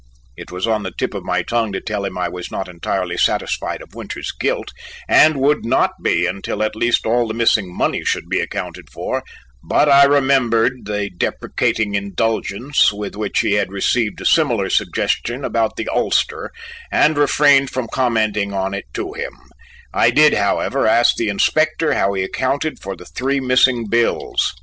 It was on the tip of my tongue to tell him I was not entirely satisfied of Winters's guilt and would not be until at least all the missing money should be accounted for, but I remembered the deprecating indulgence with which he had received a similar suggestion about the ulster and refrained from commenting on it to him, I did, however, ask the Inspector how he accounted for the three missing bills.